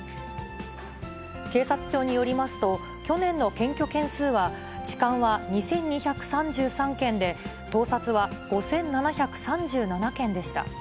警察庁によりますと、去年の検挙件数は、痴漢は２２３３件で盗撮は５７３７件でした。